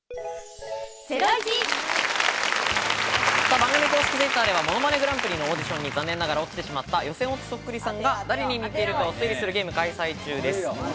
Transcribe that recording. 番組公式Ｔｗｉｔｔｅｒでは『ものまねグランプリ』のオーディションに残念ながら落ちてしまった予選落ちそっくりさんが誰に似ているかを推理するゲームを開催中です。